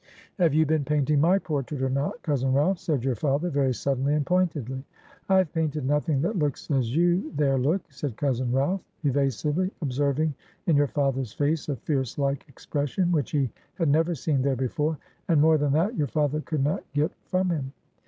"'Have you been painting my portrait or not, cousin Ralph?' said your father, very suddenly and pointedly. "'I have painted nothing that looks as you there look,' said cousin Ralph, evasively, observing in your father's face a fierce like expression, which he had never seen there before. And more than that, your father could not get from him."